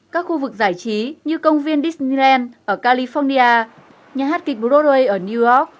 các khu vực giải trí như công viên disneyland ở california nhà hát kịch broadway ở new york